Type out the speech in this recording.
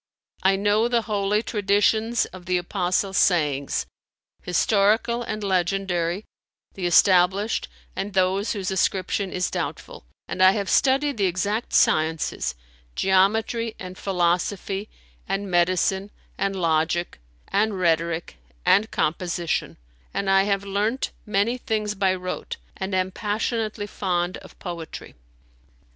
I know the Holy Traditions of the Apostle's sayings, historical and legendary, the established and those whose ascription is doubtful; and I have studied the exact sciences, geometry and philosophy and medicine and logic and rhetoric and composition; and I have learnt many things by rote and am passionately fond of poetry.